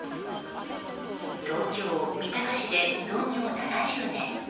東京・三鷹市で創業７０年。